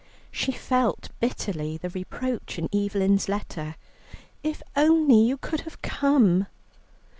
She felt bitterly the reproach in Evelyn's letter, "If only you could have come."